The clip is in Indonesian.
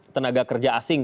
tenaga kerja asing